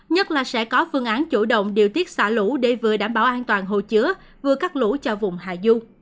nhất là sẽ có phương án chủ động điều tiết xả lũ để vừa đảm bảo an toàn hồ chứa vừa cắt lũ cho vùng hạ du